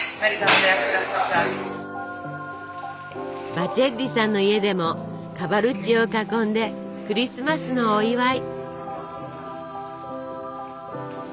バチェッリさんの家でもカバルッチを囲んでクリスマスのお祝い。